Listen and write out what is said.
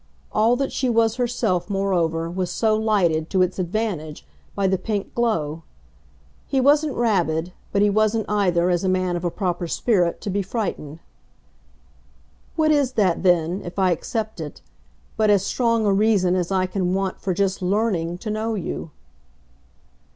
All that she was herself, moreover, was so lighted, to its advantage, by the pink glow. He wasn't rabid, but he wasn't either, as a man of a proper spirit, to be frightened. "What is that then if I accept it but as strong a reason as I can want for just LEARNING to know you?"